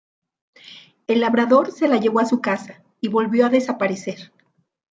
El labrador se la llevó a su casa y volvió a desaparecer.